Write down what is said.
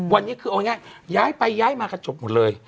วันนี้คือเอาง่ายย้ายไปย้ายมากันจบหมดเลย